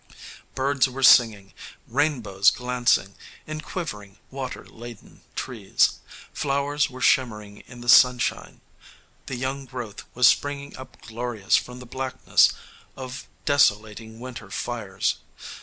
Birds were singing, rainbows glancing, in quivering, water laden trees; flowers were shimmering in the sunshine; the young growth was springing up glorious from the blackness of desolating winter fires.